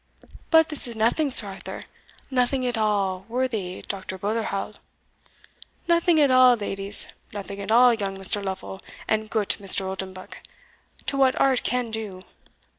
But this is nothing, Sir Arthur, nothing at all, worthy Dr. Botherhowl nothing at all, ladies nothing at all, young Mr. Lofel and goot Mr. Oldenbuck, to what art can do.